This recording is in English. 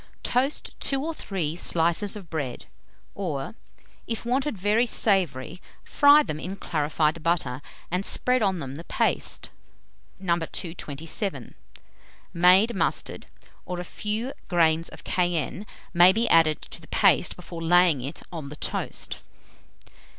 Toast 2 or 3 slices of bread, or, if wanted very savoury, fry them in clarified butter, and spread on them the paste, No. 227. Made mustard, or a few grains of cayenne, may be added to the paste before laying it on the toast.